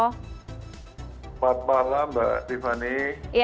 selamat malam mbak tiffany